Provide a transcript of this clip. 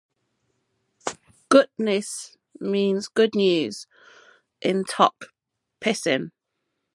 "Gutnius" means "Good News" in Tok Pisin.